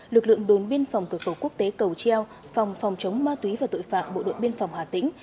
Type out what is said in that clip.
lực lượng đồn biên phòng cửa khẩu quốc tế cầu treo phòng phòng chống ma túy và tội phạm bộ đội biên phòng hà tĩnh